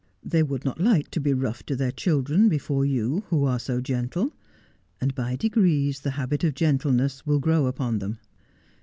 They would not like to be rough with their children before you, who are so gentle ; and by degrees the habit of gentleness will grow upon them.